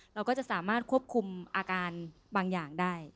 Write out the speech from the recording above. เราก็จะสามารถควบคุมอาการบางอย่างได้